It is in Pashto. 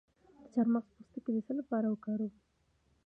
د چارمغز پوستکی د څه لپاره وکاروم؟